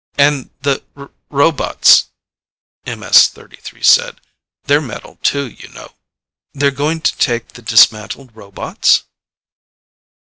"And the r robots," MS 33 said, "They're metal too, you know." "They're going to take the dismantled robots?"